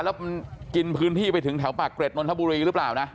แล้วมันกินพื้นที่ไปถึงแถวปากเกร็ดนนทบุรีหรือเปล่านะ